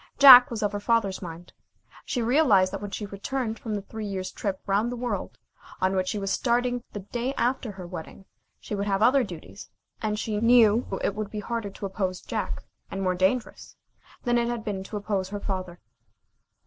Jack was of her father's mind. She realized that when she returned from the three years' trip round the world, on which she was starting the day after her wedding, she would have other duties, and she knew it would be harder to oppose Jack, and more dangerous than it had been to oppose her father.